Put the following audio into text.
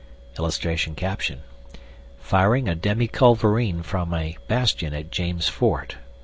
[Illustration: FIRING A DEMICULVERINE FROM A BASTION AT "JAMES FORT."